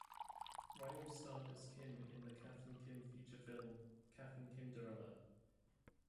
Riley starred as Kim in the Kath and Kim feature film "Kath and Kimderella".